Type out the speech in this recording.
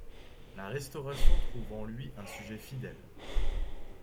La Restauration trouve en lui un sujet fidèle.